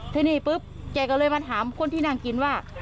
เท่านี้บึ๊บเก่ก็เลยมาถามคนที่นั่งกินว่า